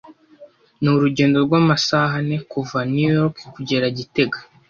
Ni urugendo rw'amasaha ane kuva New York kugera gitega.